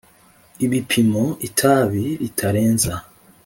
ibipimo itabi ritarenza